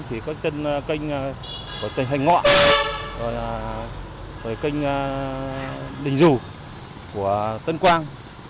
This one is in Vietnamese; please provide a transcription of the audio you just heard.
thì có trên kênh hành ngọ rồi là kênh đình dù của tân quang